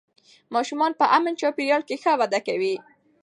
ماشومان په امن چاپېریال کې ښه وده کوي